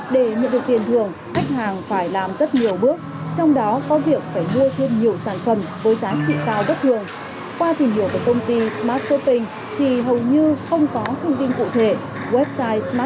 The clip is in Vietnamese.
để hoạt động lừa đảo khách hàng bán hàng sức lượng kém